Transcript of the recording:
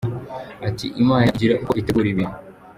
Ati” Imana igira uko itegura ibintu.